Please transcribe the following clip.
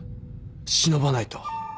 忍ばないと。